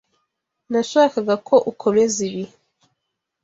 Nashakaga ko ukomeza ibi.